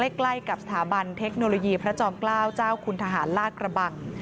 ใกล้กับสถาบันเทคโนโลยีพระจอมเกล้าเจ้าคุณทหารลากระบัง